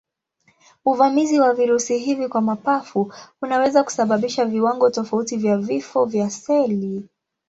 Uvamizi wa virusi hivi kwa mapafu unaweza kusababisha viwango tofauti vya vifo vya seli.